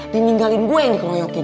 dininggalin gue yang dikeroyokin